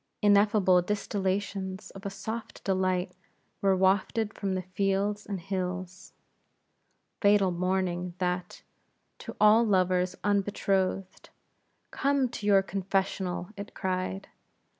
Ineffable distillations of a soft delight were wafted from the fields and hills. Fatal morning that, to all lovers unbetrothed; "Come to your confessional," it cried.